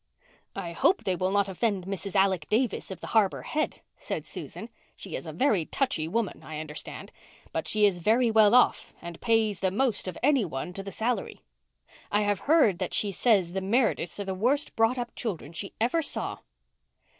"I hope they will not offend Mrs. Alec Davis of the Harbour Head," said Susan. "She is a very touchy woman, I understand, but she is very well off and pays the most of any one to the salary. I have heard that she says the Merediths are the worst brought up children she ever saw."